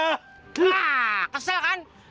nah kesel kan